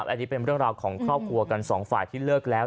อันนี้เป็นเรื่องราวของครอบครัวกันสองฝ่ายที่เลิกแล้ว